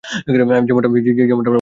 যেমনটা আমরা বরাবরই করে এসেছি।